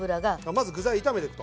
まず具材炒めていくと。